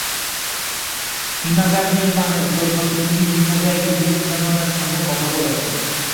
হিমাগার নির্মাণের জন্য তিনি বিভিন্ন জায়গায় বিভিন্ন জনের সঙ্গে কথা বলেছেন।